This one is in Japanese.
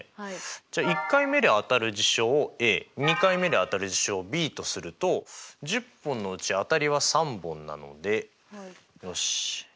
じゃあ１回目で当たる事象をＡ２回目で当たる事象をＢとすると１０本のうち当たりは３本なのでよしえ